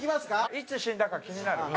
いつ死んだか気になる。